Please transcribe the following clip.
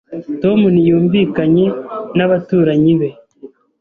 Tom ntiyumvikanye n’abaturanyi be.